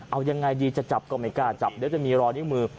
เอายังไงดีจะจับก็ไม่กล้าจับเดี๋ยวจะมีรอยนิ้วมือ